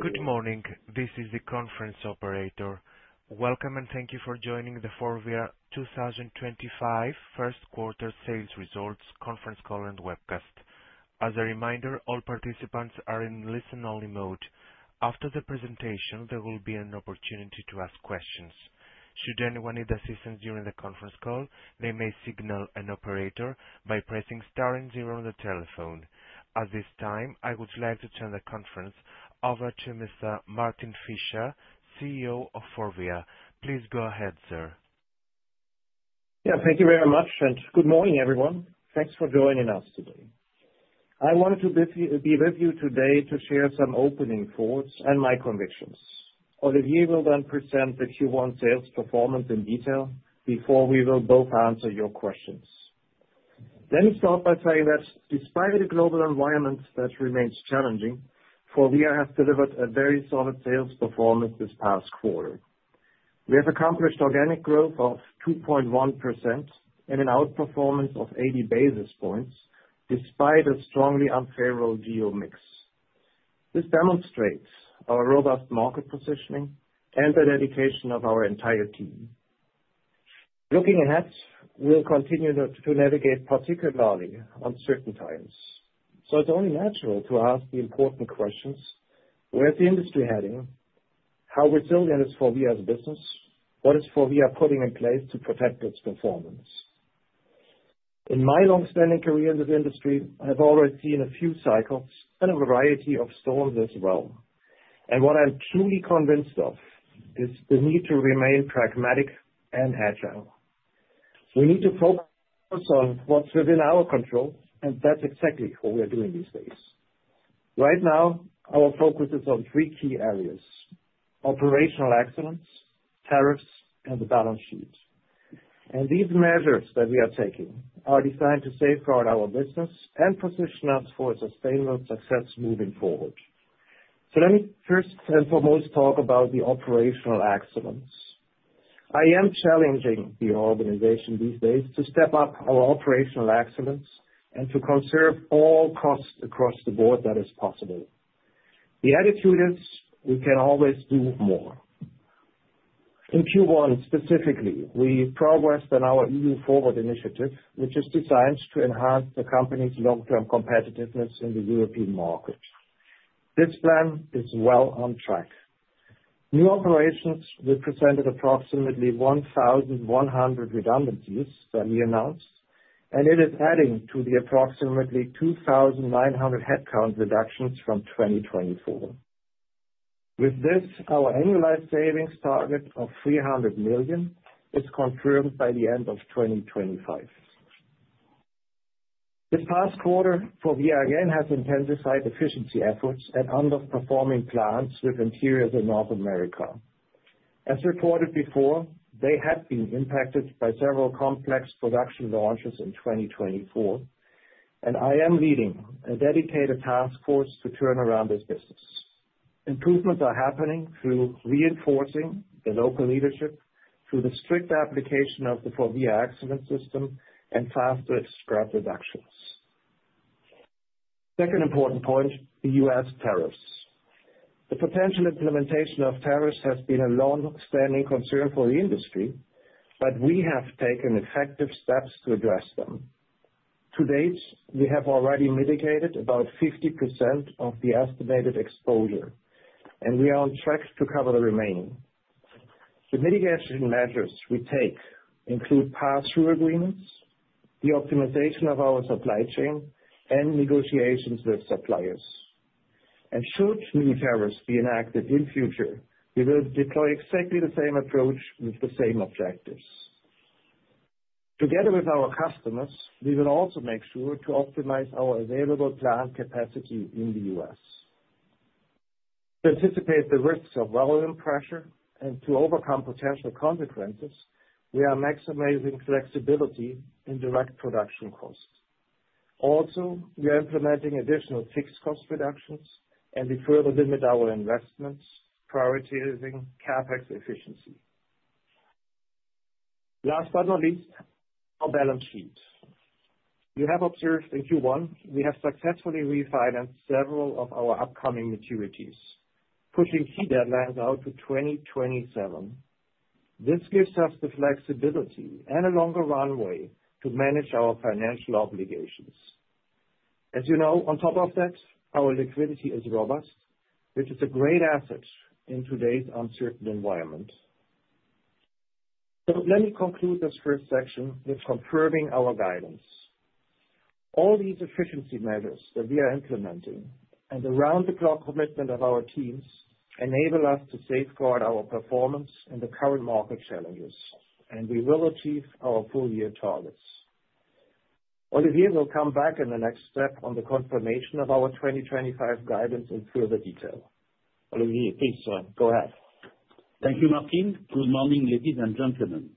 Good morning. This is the conference operator. Welcome and thank you for joining the FORVIA 2025 First Quarter Sales Results Conference Call and Webcast. As a reminder, all participants are in listen-only mode. After the presentation, there will be an opportunity to ask questions. Should anyone need assistance during the conference call, they may signal an operator by pressing star zero on the telephone. At this time, I would like to turn the conference over to Mr. Martin Fischer, CEO of FORVIA. Please go ahead, sir. Yeah, thank you very much, and good morning, everyone. Thanks for joining us today. I want to be with you today to share some opening thoughts and my convictions. Olivier will then present the Q1 sales performance in detail before we will both answer your questions. Let me start by saying that despite the global environment that remains challenging, FORVIA has delivered a very solid sales performance this past quarter. We have accomplished organic growth of 2.1% and an outperformance of 80 basis points despite a strongly unfavorable geo mix. This demonstrates our robust market positioning and the dedication of our entire team. Looking ahead, we will continue to navigate particularly uncertain times. It is only natural to ask the important questions: Where is the industry heading? How resilient is FORVIA's business? What is FORVIA putting in place to protect its performance? In my long-standing career in the industry, I have already seen a few cycles and a variety of storms as well. What I'm truly convinced of is the need to remain pragmatic and agile. We need to focus on what's within our control, and that's exactly what we're doing these days. Right now, our focus is on three key areas: operational excellence, tariffs, and the balance sheet. These measures that we are taking are designed to safeguard our business and position us for sustainable success moving forward. Let me first and foremost talk about the operational excellence. I am challenging the organization these days to step up our operational excellence and to conserve all costs across the board that is possible. The attitude is we can always do more. In Q1 specifically, we progressed on our EU-FORWARD initiative, which is designed to enhance the company's long-term competitiveness in the European market. This plan is well on track. New operations represented approximately 1,100 redundancies that we announced, and it is adding to the approximately 2,900 headcount reductions from 2024. With this, our annualized savings target of 300 million is confirmed by the end of 2025. This past quarter, FORVIA again has intensified efficiency efforts at underperforming plants within Interiors in North America. As reported before, they had been impacted by several complex production launches in 2024, and I am leading a dedicated task force to turn around this business. Improvements are happening through reinforcing the local leadership, through the strict application of the FORVIA excellence system, and faster scrap reductions. Second important point, the U.S. tariffs. The potential implementation of tariffs has been a long-standing concern for the industry, but we have taken effective steps to address them. To date, we have already mitigated about 50% of the estimated exposure, and we are on track to cover the remaining. The mitigation measures we take include pass-through agreements, the optimization of our supply chain, and negotiations with suppliers. Should new tariffs be enacted in the future, we will deploy exactly the same approach with the same objectives. Together with our customers, we will also make sure to optimize our available plant capacity in the U.S. To anticipate the risks of volume pressure and to overcome potential consequences, we are maximizing flexibility in direct production costs. Also, we are implementing additional fixed cost reductions, and we further limit our investments, prioritizing CapEx efficiency. Last but not least, our balance sheet. You have observed in Q1, we have successfully refinanced several of our upcoming maturities, pushing key deadlines out to 2027. This gives us the flexibility and a longer runway to manage our financial obligations. As you know, on top of that, our liquidity is robust, which is a great asset in today's uncertain environment. Let me conclude this first section with confirming our guidance. All these efficiency measures that we are implementing and the round-the-clock commitment of our teams enable us to safeguard our performance in the current market challenges, and we will achieve our full-year targets. Olivier will come back in the next step on the confirmation of our 2025 guidance in further detail. Olivier, please, sir, go ahead. Thank you, Martin. Good morning, ladies and gentlemen.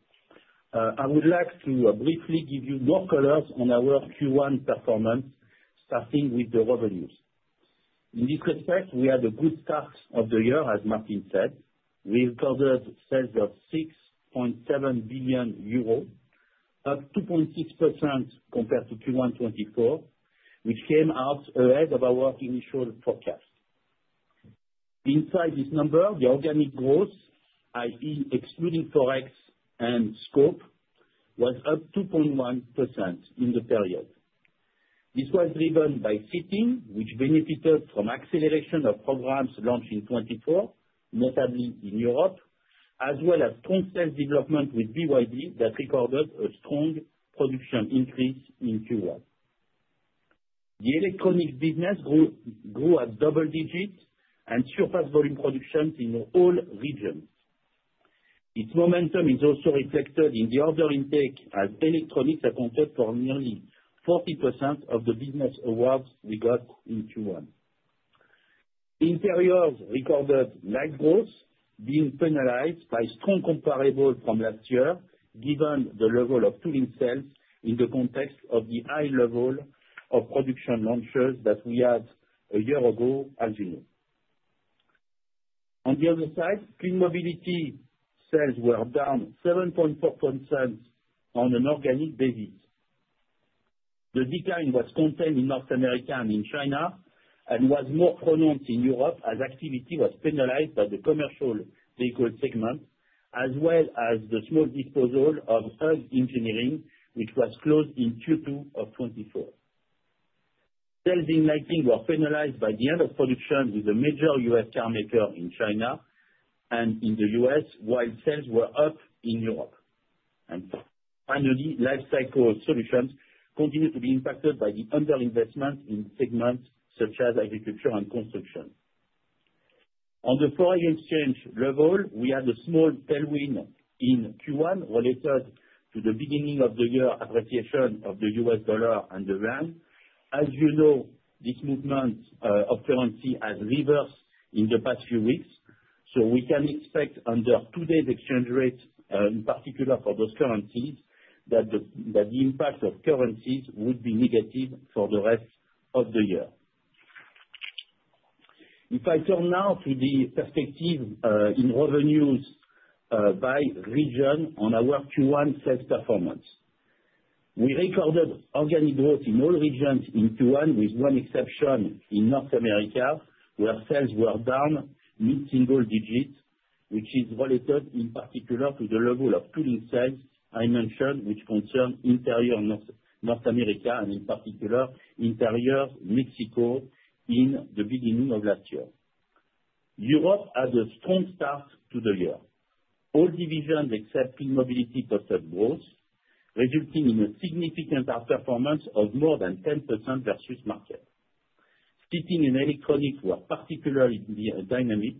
I would like to briefly give you more colors on our Q1 performance, starting with the revenues. In this respect, we had a good start of the year, as Martin said. We recorded sales of 6.7 billion euros, up 2.6% compared to Q1 2024, which came out ahead of our initial forecast. Inside this number, the organic growth, i.e., excluding forex and scope, was up 2.1% in the period. This was driven by seating, which benefited from acceleration of programs launched in 2024, notably in Europe, as well as strong sales development with BYD that recorded a strong production increase in Q1. The electronics business grew at double digits and surpassed volume productions in all regions. Its momentum is also reflected in the order intake as electronics accounted for nearly 40% of the business awards we got in Q1. Interiors recorded net growth, being penalized by strong comparables from last year, given the level of tooling sales in the context of the high level of production launches that we had a year ago, as you know. On the other side, Clean Mobility sales were down 7.4% on an organic basis. The decline was contained in North America and in China and was more pronounced in Europe as activity was penalized by the commercial vehicle segment, as well as the small disposal of Hug Engineering, which was closed in Q2 of 2024. Sales in Lighting were penalized by the end of production with a major U.S. car maker in China and in the U.S., while sales were up in Europe. Finally, Lifecycle Solutions continue to be impacted by the underinvestment in segments such as agriculture and construction. On the foreign exchange level, we had a small tailwind in Q1 related to the beginning of the year appreciation of the US dollar and the rand. As you know, this movement of currency has reversed in the past few weeks, so we can expect under today's exchange rate, in particular for those currencies, that the impact of currencies would be negative for the rest of the year. If I turn now to the perspective in revenues by region on our Q1 sales performance, we recorded organic growth in all regions in Q1, with one exception in North America, where sales were down mid-single digit, which is related in particular to the level of tooling sales I mentioned, which concerned Interior North America and in particular Interior Mexico in the beginning of last year. Europe had a strong start to the year. All divisions except Clean Mobility posted growth, resulting in a significant outperformance of more than 10% versus market. Seating and Electronics were particularly dynamic,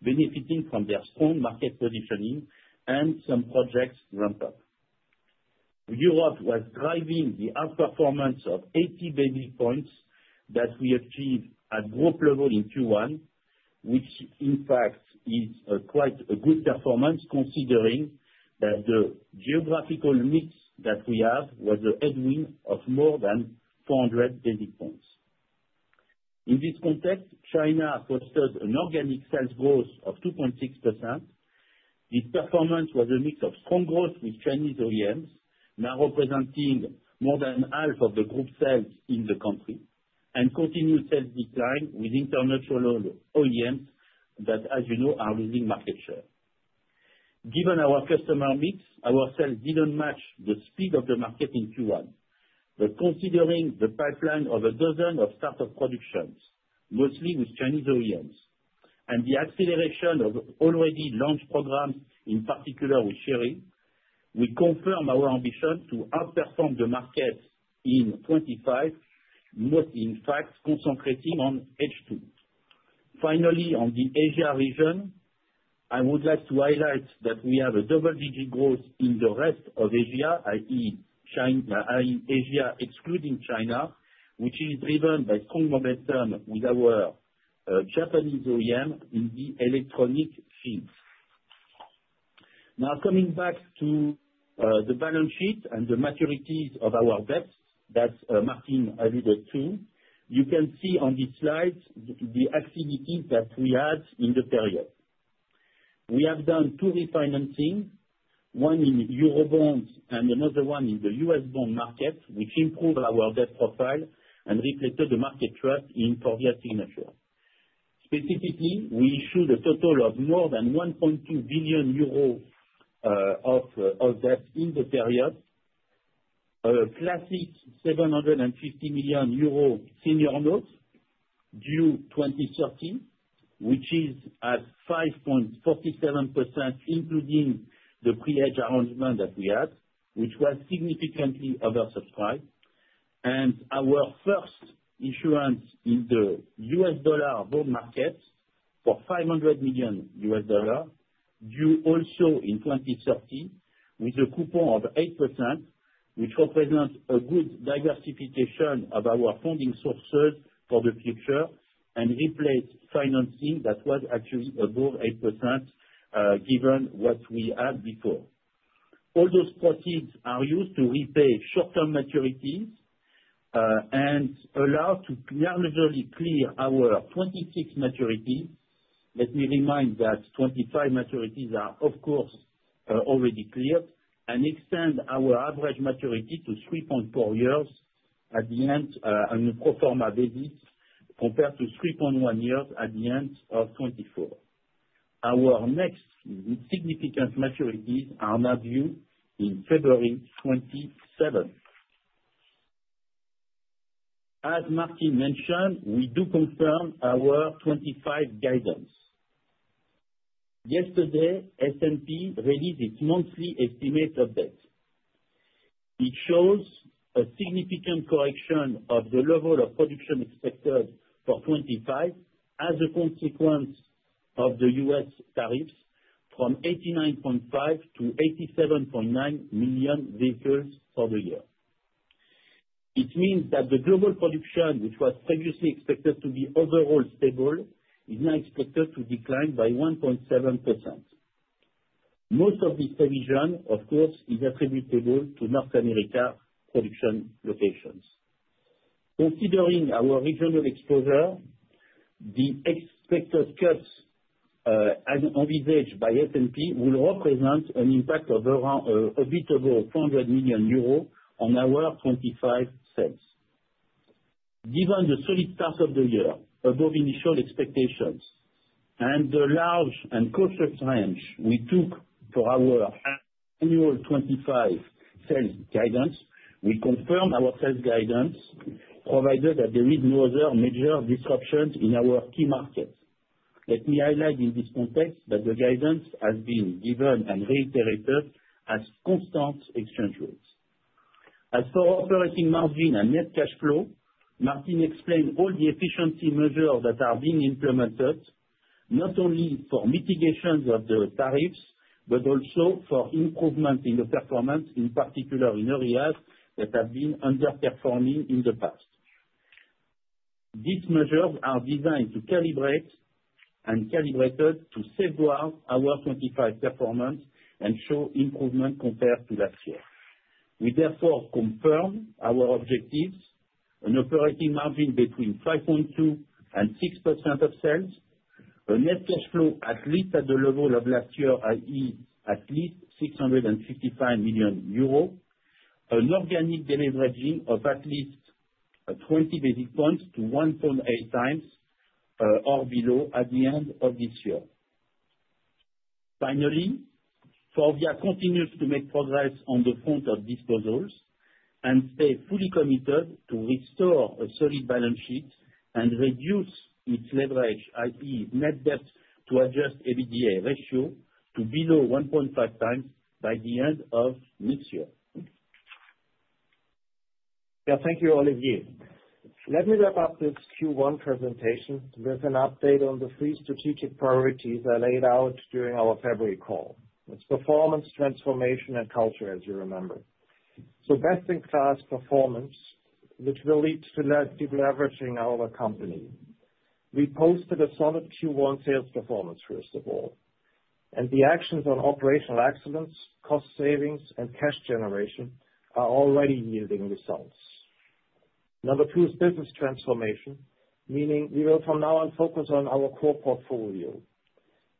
benefiting from their strong market positioning and some projects ramped up. Europe was driving the outperformance of 80 basis points that we achieved at group level in Q1, which in fact is quite a good performance considering that the geographical mix that we have was the headwind of more than 400 basis points. In this context, China posted an organic sales growth of 2.6%. This performance was a mix of strong growth with Chinese OEMs now representing more than half of the group sales in the country, and continued sales decline with international OEMs that, as you know, are losing market share. Given our customer mix, our sales did not match the speed of the market in Q1. Considering the pipeline of a dozen startup productions, mostly with Chinese OEMs, and the acceleration of already launched programs, in particular with Chery, we confirm our ambition to outperform the market in 2025, most in fact concentrating on the second half. Finally, on the Asia region, I would like to highlight that we have double-digit growth in the rest of Asia, i.e., Asia excluding China, which is driven by strong momentum with our Japanese OEM in the electronics field. Now, coming back to the balance sheet and the maturities of our debts that Martin alluded to, you can see on this slide the activity that we had in the period. We have done two refinancings, one in Eurobonds and another one in the U.S. bond market, which improved our debt profile and restored the market trust in FORVIA signature. Specifically, we issued a total of more than 1.2 billion euros of debt in the period, a classic 750 million euro senior note due 2030, which is at 5.47%, including the pre-hedge arrangement that we had, which was significantly oversubscribed. Our first issuance in the US dollar bond market for $500 million US dollar due also in 2030, with a coupon of 8%, represents a good diversification of our funding sources for the future and replaced financing that was actually above 8%, given what we had before. All those proceeds are used to repay short-term maturities and allow to largely clear our 2026 maturities. Let me remind that 2025 maturities are, of course, already cleared and extend our average maturity to 3.4 years at the end on a pro forma basis compared to 3.1 years at the end of 2024. Our next significant maturities are now due in February 2027. As Martin mentioned, we do confirm our 2025 guidance. Yesterday, S&P released its monthly estimate of debt. It shows a significant correction of the level of production expected for 2025 as a consequence of the U.S. tariffs from 89.5 to 87.9 million vehicles for the year. It means that the global production, which was previously expected to be overall stable, is now expected to decline by 1.7%. Most of this revision, of course, is attributable to North America production locations. Considering our regional exposure, the expected cuts envisaged by S&P will represent an impact of around a bit over 400 million euros on our 2025 sales. Given the solid start of the year, above initial expectations, and the large and cautious range we took for our annual 2025 sales guidance, we confirm our sales guidance, provided that there is no other major disruption in our key markets. Let me highlight in this context that the guidance has been given and reiterated as constant exchange rates. As for operating margin and net cash flow, Martin explained all the efficiency measures that are being implemented, not only for mitigations of the tariffs, but also for improvement in the performance, in particular in areas that have been underperforming in the past. These measures are designed to calibrate and calibrated to safeguard our 2025 performance and show improvement compared to last year. We therefore confirm our objectives: an operating margin between 5.2%-6% of sales, a net cash flow at least at the level of last year, i.e., at least 655 million euros, an organic deleveraging of at least 20 basis points to 1.8 times or below at the end of this year. Finally, FORVIA continues to make progress on the front of disposals and stay fully committed to restore a solid balance sheet and reduce its leverage, i.e., net debt to adjusted EBITDA ratio to below 1.5 times by the end of next year. Yeah, thank you, Olivier. Let me wrap up this Q1 presentation with an update on the three strategic priorities I laid out during our February call. It is performance, transformation, and culture, as you remember. Best-in-class performance, which will lead to leveraging our company. We posted a solid Q1 sales performance, first of all. The actions on operational excellence, cost savings, and cash generation are already yielding results. Number two is business transformation, meaning we will from now on focus on our core portfolio.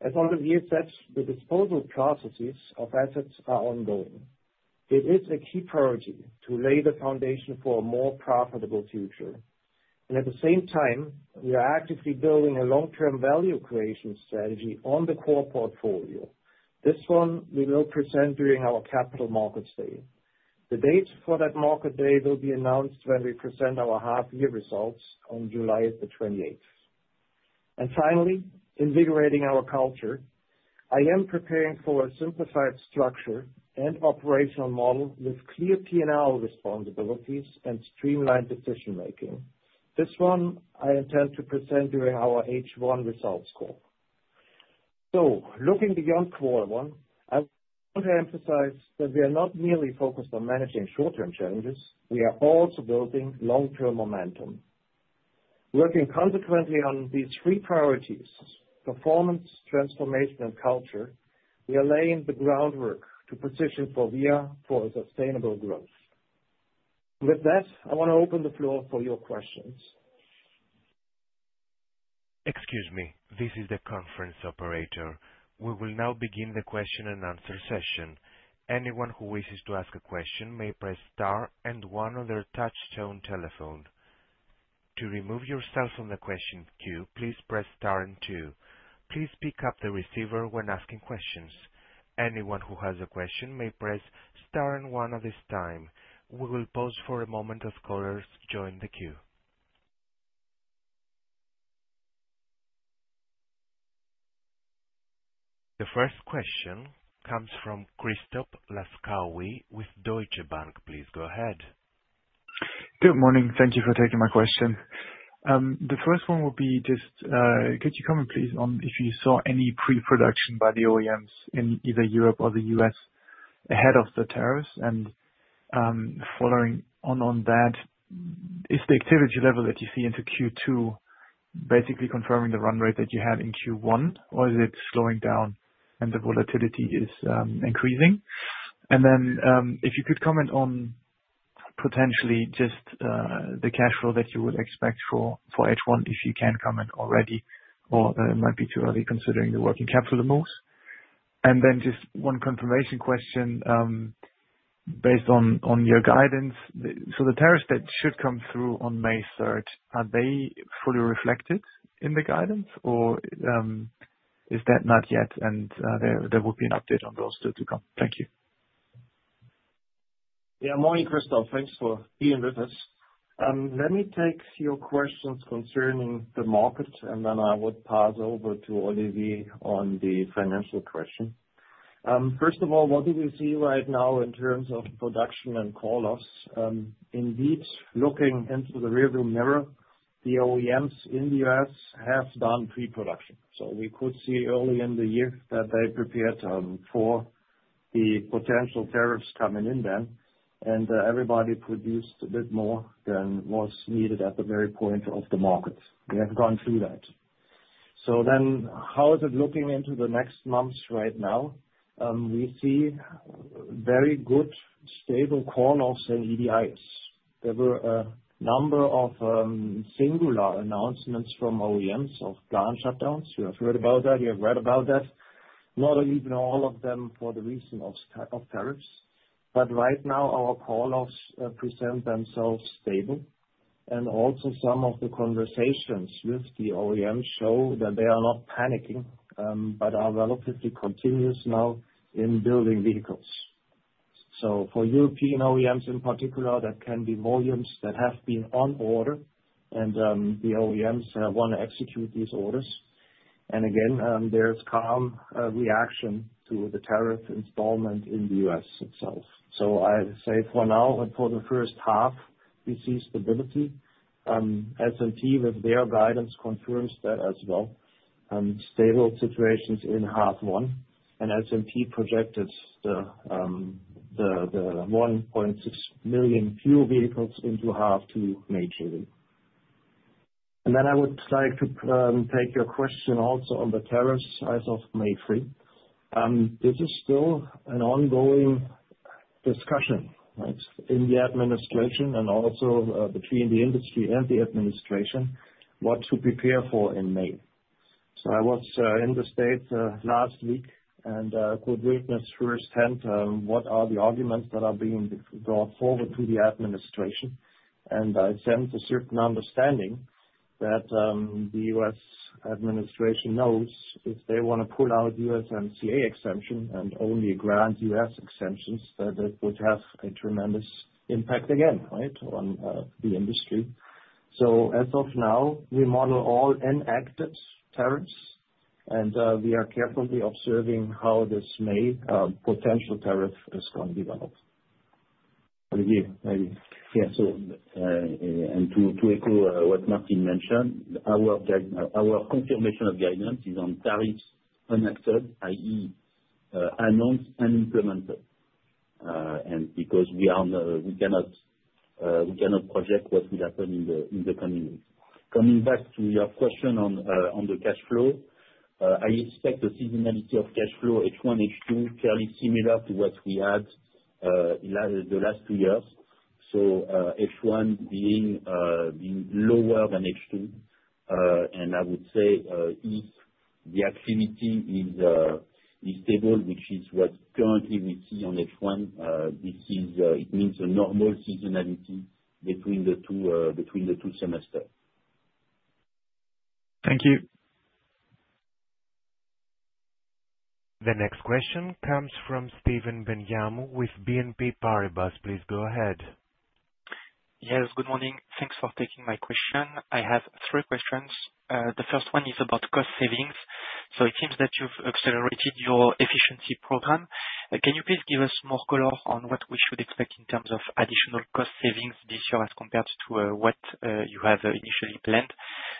As Olivier said, the disposal processes of assets are ongoing. It is a key priority to lay the foundation for a more profitable future. At the same time, we are actively building a long-term value creation strategy on the core portfolio. This one we will present during our Capital Markets Day. The date for that market day will be announced when we present our half-year results on July the 28th. Finally, invigorating our culture, I am preparing for a simplified structure and operational model with clear P&L responsibilities and streamlined decision-making. This one I intend to present during our H1 results call. Looking beyond Q1, I want to emphasize that we are not merely focused on managing short-term challenges. We are also building long-term momentum. Working consequently on these three priorities, performance, transformation, and culture, we are laying the groundwork to position FORVIA for a sustainable growth. With that, I want to open the floor for your questions. Excuse me, this is the conference operator. We will now begin the question and answer session. Anyone who wishes to ask a question may press star and one on their touchstone telephone. To remove yourself from the question queue, please press star and two. Please pick up the receiver when asking questions. Anyone who has a question may press star and one at this time. We will pause for a moment as callers join the queue. The first question comes from Christoph Laskawi with Deutsche Bank. Please go ahead. Good morning. Thank you for taking my question. The first one would be just, could you comment, please, on if you saw any pre-production by the OEMs in either Europe or the U.S. ahead of the tariffs? Following on that, is the activity level that you see into Q2 basically confirming the run rate that you had in Q1, or is it slowing down and the volatility is increasing? If you could comment on potentially just the cash flow that you would expect for H1, if you can comment already, or it might be too early considering the working capital moves. Just one confirmation question based on your guidance. The tariffs that should come through on May 3, are they fully reflected in the guidance, or is that not yet? There would be an update on those to come. Thank you. Yeah, morning, Christoph. Thanks for being with us. Let me take your questions concerning the market, and then I would pass over to Olivier on the financial question. First of all, what do we see right now in terms of production and call-offs? Indeed, looking into the rearview mirror, the OEMs in the U.S. have done pre-production. You could see early in the year that they prepared for the potential tariffs coming in then, and everybody produced a bit more than was needed at the very point of the market. We have gone through that. How is it looking into the next months right now? We see very good stable call-offs and EDIs. There were a number of singular announcements from OEMs of planned shutdowns. You have heard about that. You have read about that. Not even all of them for the reason of tariffs. Right now, our call-offs present themselves stable. Also, some of the conversations with the OEMs show that they are not panicking, but are relatively continuous now in building vehicles. For European OEMs in particular, that can be volumes that have been on order, and the OEMs want to execute these orders. Again, there is calm reaction to the tariff installment in the U.S. itself. I say for now, and for the first half, we see stability. S&P, with their guidance, confirms that as well. Stable situations in half one. S&P projected the 1.6 million fuel vehicles into half two May, July. I would like to take your question also on the tariffs as of May 3. This is still an ongoing discussion in the administration and also between the industry and the administration what to prepare for in May. I was in the States last week and could witness firsthand what are the arguments that are being brought forward to the administration. I sense a certain understanding that the U.S. administration knows if they want to pull out USMCA exemption and only grant U.S. exemptions, that it would have a tremendous impact again on the industry. As of now, we model all enacted tariffs, and we are carefully observing how this May potential tariff is going to develop. Olivier, maybe. Yeah, to echo what Martin mentioned, our confirmation of guidance is on tariffs enacted, i.e., announced and implemented. Because we cannot project what will happen in the coming week. Coming back to your question on the cash flow, I expect the seasonality of cash flow H1, H2, fairly similar to what we had the last two years. H1 being lower than H2. I would say if the activity is stable, which is what currently we see on H1, it means a normal seasonality between the two semesters. Thank you. The next question comes from Stephane Benhamou with BNP Paribas. Please go ahead. Yes, good morning. Thanks for taking my question. I have three questions. The first one is about cost savings. It seems that you've accelerated your efficiency program. Can you please give us more color on what we should expect in terms of additional cost savings this year as compared to what you have initially planned?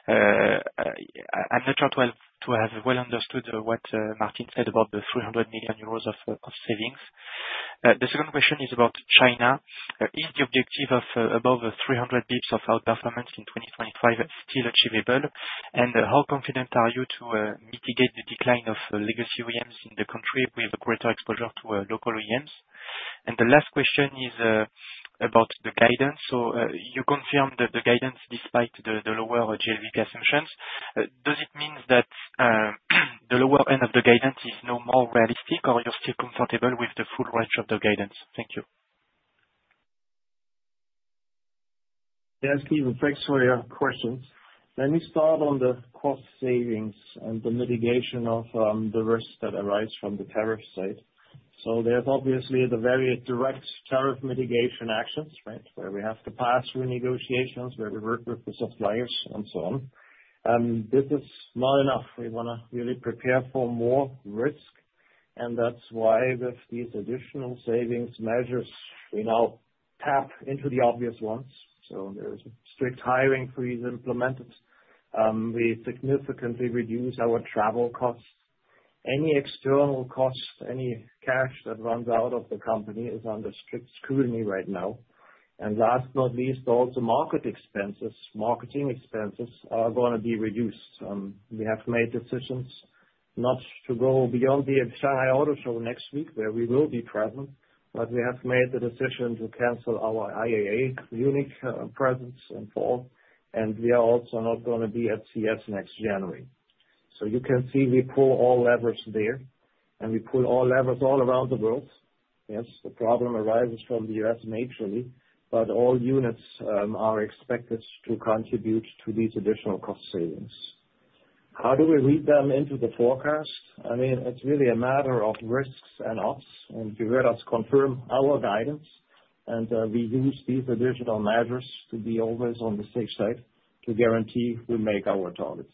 I'm not sure to have well understood what Martin said about the 300 million euros of savings. The second question is about China. Is the objective of above 300 basis points of outperformance in 2025 still achievable? How confident are you to mitigate the decline of legacy OEMs in the country with greater exposure to local OEMs? The last question is about the guidance. You confirmed the guidance despite the lower GLVP assumptions. Does it mean that the lower end of the guidance is no more realistic, or you're still comfortable with the full range of the guidance? Thank you. Yes, Steven, thanks for your questions. Let me start on the cost savings and the mitigation of the risks that arise from the tariff side. There are obviously the very direct tariff mitigation actions where we have to pass renegotiations, where we work with the suppliers, and so on. This is not enough. We want to really prepare for more risk. That is why with these additional savings measures, we now tap into the obvious ones. There is a strict hiring freeze implemented. We significantly reduce our travel costs. Any external cost, any cash that runs out of the company is under strict scrutiny right now. Last but not least, also market expenses, marketing expenses are going to be reduced. We have made decisions not to go beyond the Shanghai Auto Show next week, where we will be present. We have made the decision to cancel our IAA Munich presence in fall. We are also not going to be at CES next January. You can see we pull all levers there, and we pull all levers all around the world. Yes, the problem arises from the U.S., naturally, but all units are expected to contribute to these additional cost savings. How do we read them into the forecast? I mean, it's really a matter of risks and ops. You heard us confirm our guidance, and we use these additional measures to be always on the safe side to guarantee we make our targets.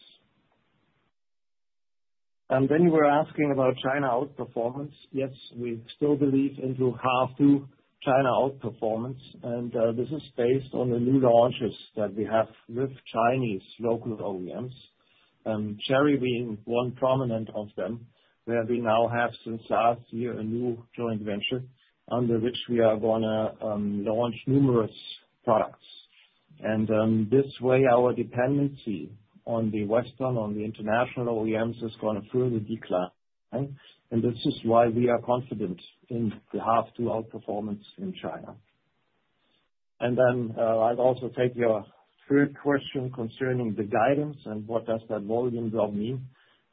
You were asking about China outperformance. Yes, we still believe into half two China outperformance. This is based on the new launches that we have with Chinese local OEMs, Chery being one prominent of them, where we now have since last year a new joint venture under which we are going to launch numerous products. In this way, our dependency on the Western, on the international OEMs is going to further decline. This is why we are confident in the half two outperformance in China. I will also take your third question concerning the guidance and what that volume drop means.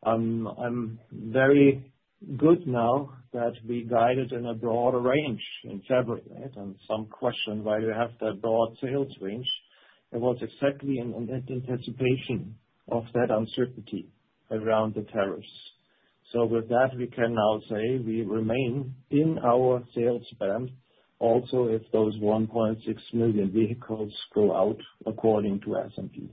I am very good now that we guided in a broader range in February, and some question why do you have that broad sales range. It was exactly in anticipation of that uncertainty around the tariffs. With that, we can now say we remain in our sales span, also if those 1.6 million vehicles go out according to S&P.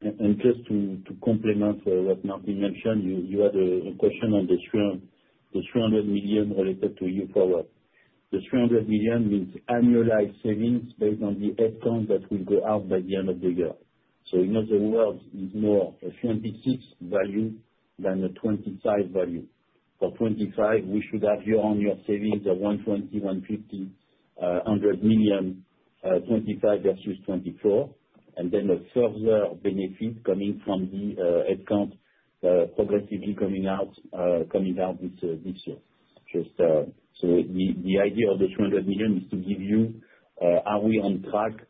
Just to complement what Martin mentioned, you had a question on the 300 million related to EU-FORWARD. The 300 million means annualized savings based on the headcount that will go out by the end of the year. In other words, it is more a 2026 value than a 2025 value. For 2025, we should have year-on-year savings of 120-150-100 million, 2025 versus 2024. A further benefit will come from the headcount progressively coming out this year. The idea of the 200 million is to give you: are we on track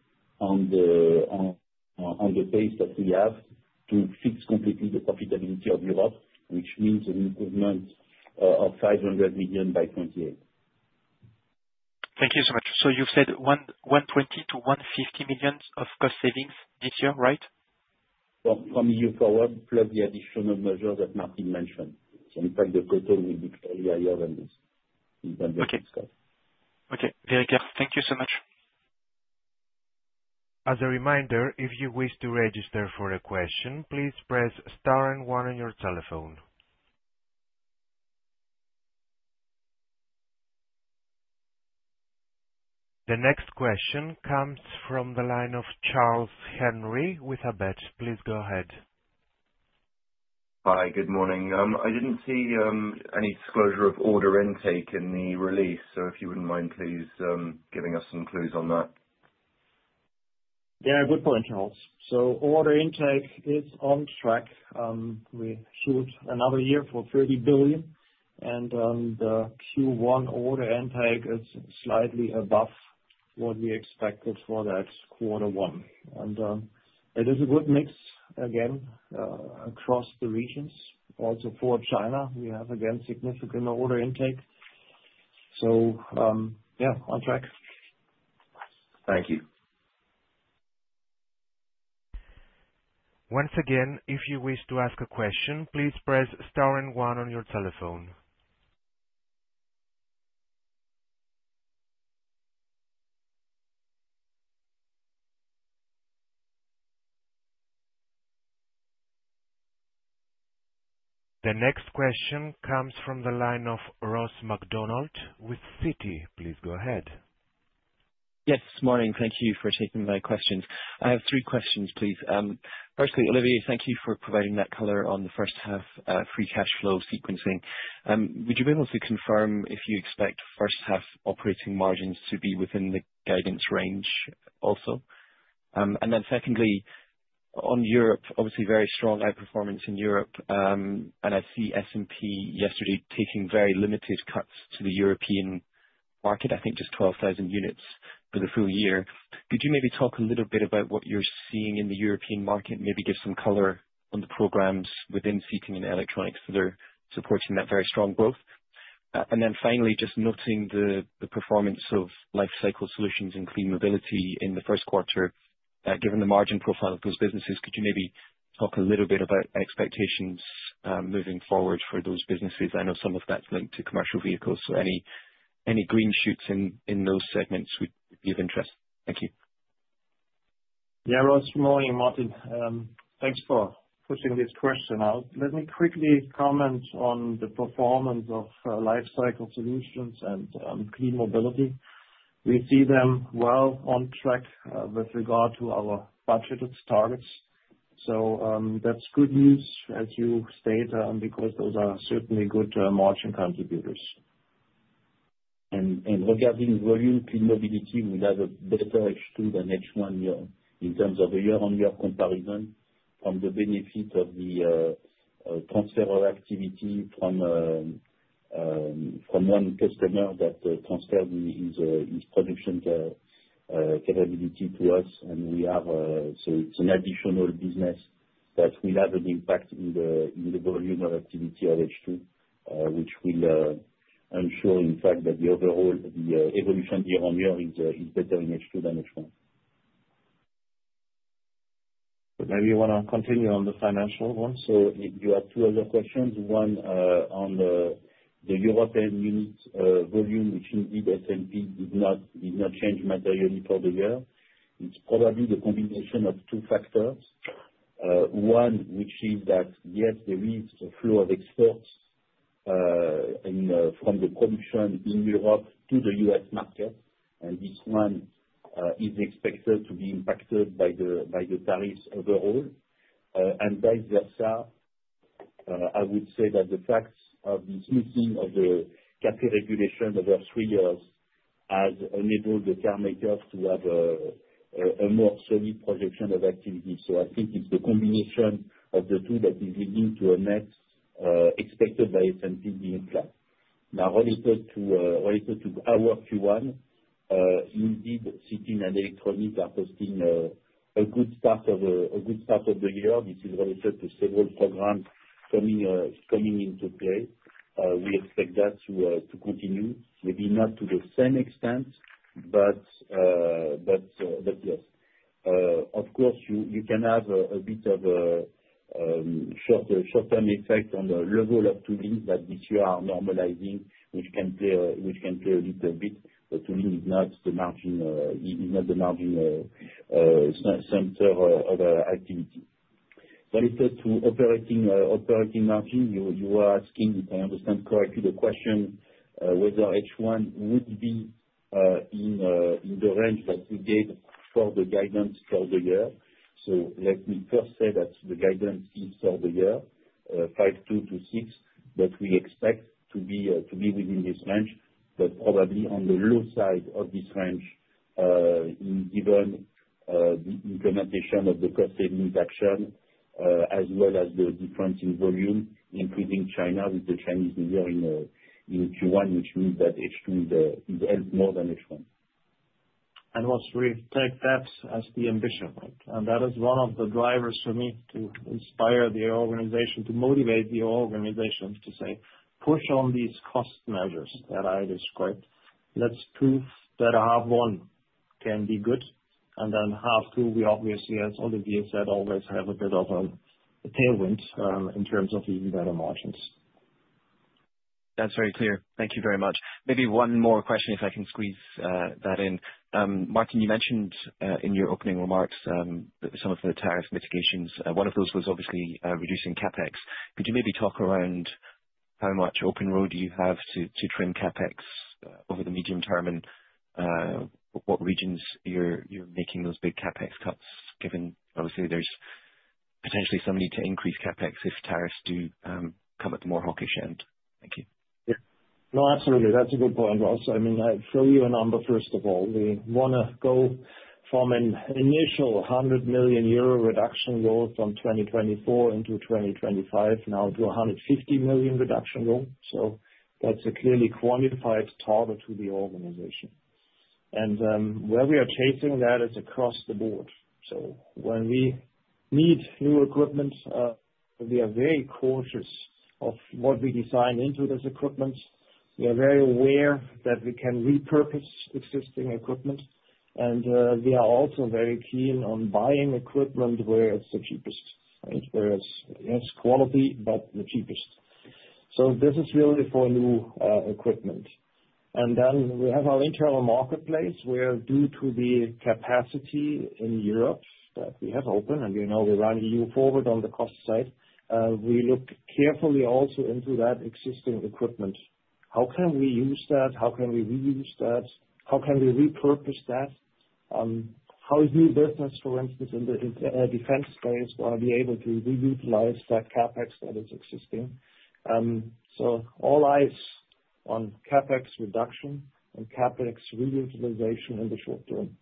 on the pace that we have to fix completely the profitability of Europe, which means an improvement of 500 million by 2028. Thank you so much. You have said €120 million-€150 million of cost savings this year, right? From year forward, plus the additional measures that Martin mentioned. In fact, the total will be very higher than this. Okay. Very good. Thank you so much. As a reminder, if you wish to register for a question, please press star and one on your telephone. The next question comes from the line of Charles Henry with Abbott. Please go ahead. Hi, good morning. I did not see any disclosure of order intake in the release. If you would not mind, please give us some clues on that. Yeah, good point, Charles. Order intake is on track. We shoot another year for 30 billion. The Q1 order intake is slightly above what we expected for that quarter one. It is a good mix again across the regions. Also for China, we have again significant order intake. Yeah, on track. Thank you. Once again, if you wish to ask a question, please press star and one on your telephone. The next question comes from the line of Ross MacDonald with Citi. Please go ahead. Yes, morning. Thank you for taking my questions. I have three questions, please. Firstly, Olivier, thank you for providing that color on the first half free cash flow sequencing. Would you be able to confirm if you expect first half operating margins to be within the guidance range also? Secondly, on Europe, obviously very strong outperformance in Europe. I see S&P yesterday taking very limited cuts to the European market, I think just 12,000 units for the full year. Could you maybe talk a little bit about what you're seeing in the European market, maybe give some color on the programs within seating and electronics that are supporting that very strong growth? Finally, just noting the performance of Lifecycle Solutions and Clean Mobility in the first quarter, given the margin profile of those businesses, could you maybe talk a little bit about expectations moving forward for those businesses? I know some of that's linked to commercial vehicles. Any green shoots in those segments would be of interest. Thank you. Yeah, Ross, good morning, Martin. Thanks for pushing this question out. Let me quickly comment on the performance of Lifecycle Solutions and Clean Mobility. We see them well on track with regard to our budgeted targets. That is good news, as you stated, because those are certainly good margin contributors. Regarding volume Clean Mobility, we have a better H2 than H1 year in terms of a year-on-year comparison from the benefit of the transfer of activity from one customer that transferred his production capability to us. We have some additional business that will have an impact in the volume of activity of H2, which will ensure, in fact, that the overall evolution year-on-year is better in H2 than H1. Maybe you want to continue on the financial one. You have two other questions. One on the European unit volume, which indeed S&P did not change materially for the year. It is probably the combination of two factors. One, which is that yes, there is a flow of exports from the production in Europe to the U.S. market. This one is expected to be impacted by the tariffs overall. I would say that the fact of the smoothing of the CapEx regulation over three years has enabled the car makers to have a more solid projection of activity. I think it is the combination of the two that is leading to a net expected by S&P being flat. Now, related to our Q1, indeed, Seating and Electronics are hosting a good start of the year. This is related to several programs coming into play. We expect that to continue, maybe not to the same extent, but yes. Of course, you can have a bit of a short-term effect on the level of tooling that this year are normalizing, which can play a little bit, but tooling is not the margin center of activity. Related to operating margin, you were asking, if I understand correctly, the question whether H1 would be in the range that we gave for the guidance for the year. Let me first say that the guidance is for the year, 5.2%-6%, that we expect to be within this range, but probably on the low side of this range given the implementation of the cost savings action as well as the difference in volume, including China with the Chinese New Year in Q1, which means that H2 is more than H1. Ross, we take that as the ambition. That is one of the drivers for me to inspire the organization, to motivate the organization to say, "Push on these cost measures that I described. Let's prove that half one can be good." Half two, we obviously, as Olivier said, always have a bit of a tailwind in terms of even better margins. That's very clear. Thank you very much. Maybe one more question if I can squeeze that in. Martin, you mentioned in your opening remarks some of the tariff mitigations. One of those was obviously reducing CapEx. Could you maybe talk around how much open road you have to trim CapEx over the medium term and what regions you're making those big CapEx cuts, given obviously there's potentially some need to increase CapEx if tariffs do come at the more hawkish end? Thank you. Yeah. No, absolutely. That's a good point, Ross. I mean, I'll show you a number. First of all, we want to go from an initial 100 million euro reduction goal from 2024 into 2025 now to a 150 million reduction goal. That's a clearly quantified target to the organization. Where we are chasing that is across the board. When we need new equipment, we are very cautious of what we design into this equipment. We are very aware that we can repurpose existing equipment. We are also very keen on buying equipment where it's the cheapest, where it's quality but the cheapest. This is really for new equipment. We have our internal marketplace where, due to the capacity in Europe that we have open, and we know we're running you forward on the cost side, we look carefully also into that existing equipment. How can we use that? How can we reuse that? How can we repurpose that? How is new business, for instance, in the defense space going to be able to reutilize that CapEx that is existing? All eyes on CapEx reduction and CapEx reutilization in the short term.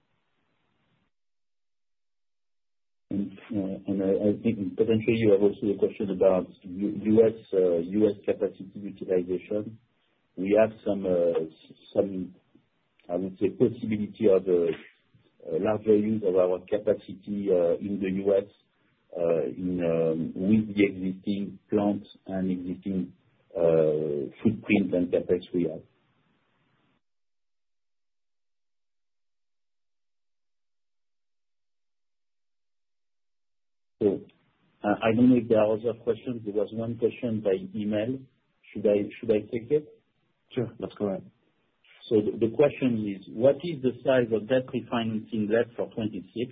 I think, potentially, you have also a question about U.S. capacity utilization. We have some, I would say, possibility of larger use of our capacity in the U.S. with the existing plants and existing footprint and CapEx we have. I do not know if there are other questions. There was one question by email. Should I take it? Sure. That's correct. The question is, what is the size of debt refinancing debt for 2026?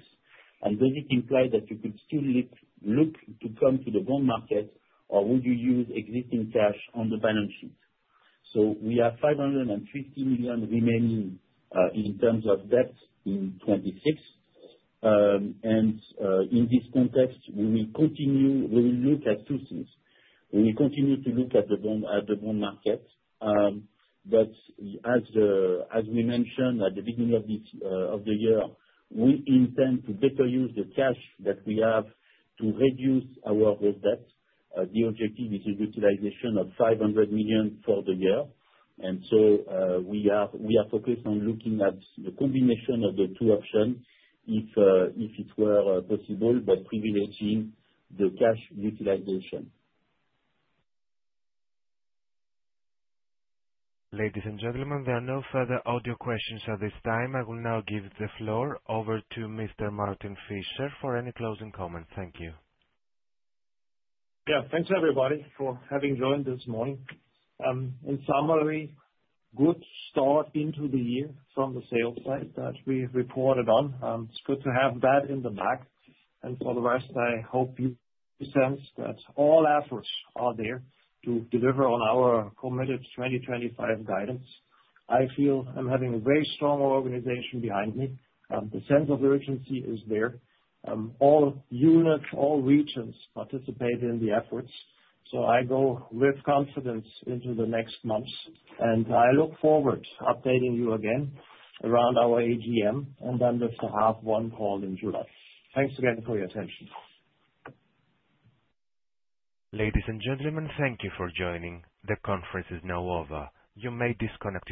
Does it imply that you could still look to come to the bond market, or would you use existing cash on the balance sheet? We have 550 million remaining in terms of debt in 2026. In this context, we will continue to look at two things. We will continue to look at the bond market. As we mentioned at the beginning of the year, we intend to better use the cash that we have to reduce our debt. The objective is a utilization of 500 million for the year. We are focused on looking at the combination of the two options if it were possible, privileging the cash utilization. Ladies and gentlemen, there are no further audio questions at this time. I will now give the floor over to Mr. Martin Fischer for any closing comments. Thank you. Yeah, thanks, everybody, for having joined this morning. In summary, good start into the year from the sales side that we reported on. It's good to have that in the back. I hope you sense that all efforts are there to deliver on our committed 2025 guidance. I feel I'm having a very strong organization behind me. The sense of urgency is there. All units, all regions participate in the efforts. I go with confidence into the next months. I look forward to updating you again around our AGM and then with the half one call in July. Thanks again for your attention. Ladies and gentlemen, thank you for joining. The conference is now over. You may disconnect.